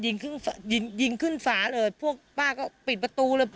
ยิงยิงขึ้นฝาเลยพวกป้าก็ปิดประตูเลย